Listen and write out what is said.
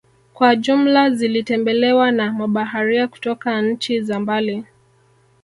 kwa jumla zilitembelewa na mabaharia kutoka nchi za mbali